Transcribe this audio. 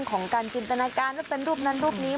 ของการจินตนาการว่าเป็นรูปนั้นรูปนี้